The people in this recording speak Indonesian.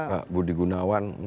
pak budi gunawan